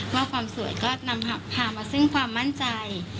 ว่าความสวยก็นำพามาซึ่งความมั่นใจ